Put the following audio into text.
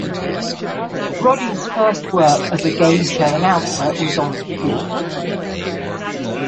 Roddy's first work as a game show announcer was on Whew!